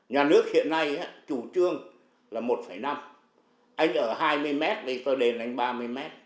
nhà nước hiện nay chủ trương là một năm anh ở hai mươi m thì tôi đền anh ba mươi m